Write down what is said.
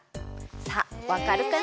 さあわかるかな？